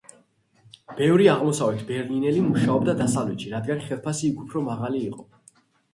ბევრი აღმოსავლეთ ბერლინელი მუშაობდა დასავლეთში, რადგან ხელფასი იქ უფრო მაღალი იყო.